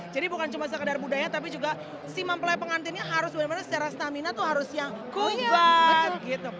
jadi bukan cuma sekedar budaya tapi juga si mempelai pengantinnya harus benar benar secara stamina tuh harus yang kuat